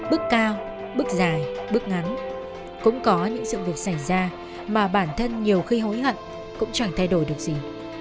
bước dài bước ngắn cũng có những sự việc xảy ra mà bản thân nhiều khi hối hận cũng chẳng thay đổi được gì